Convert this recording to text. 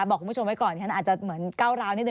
บอกคุณผู้ชมไว้ก่อนฉันอาจจะเหมือนก้าวร้าวนิดน